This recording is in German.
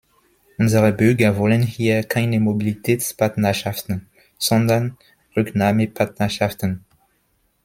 Unsere Bürger wollen hier keine Mobilitätspartnerschaften, sondern Rücknahmepartnerschaften.